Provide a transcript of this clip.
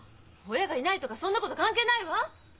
親がいないとかそんなこと関係ないわ！